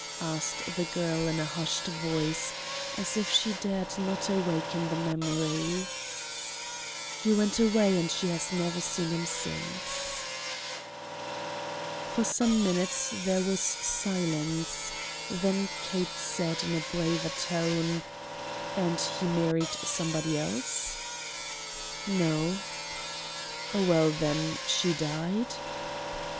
asked the girl in a hushed voice, as if she dared not awaken the memory. "He went away and she has never seen him since." For some minutes there was silence, then Kate said in a braver tone: "And he married somebody else?" "No." "Well, then, she died?"